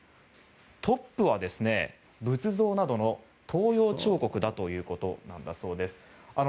トップは仏像などの東洋彫刻なんだそうです。